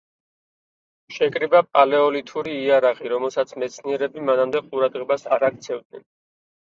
შეკრიბა პალეოლითური იარაღი, რომელსაც მეცნიერები მანამდე ყურადღებას არ აქცევდნენ.